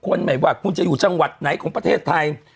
ไม่ว่าคุณจะอยู่จังหวัดไหนของประเทศไทย